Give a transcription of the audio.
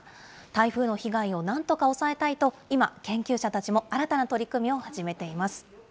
台風の被害をなんとか抑えたいと、今、研究者たちも新たな取り組みを始めています。